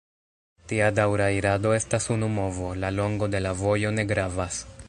Tia daŭra irado estas unu movo: la longo de la vojo ne gravas.